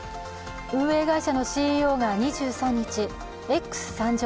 運営会社のＣＥＯが２３日「Ｘ参上！